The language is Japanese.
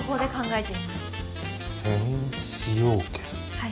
はい。